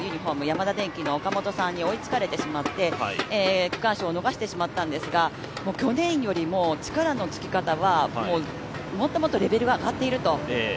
ヤマダ電機の岡本さんに追いつかれてしまって、区間賞を逃してしまったんですが、去年よりも力のつき方は、もっともっとレベルが上がっていると。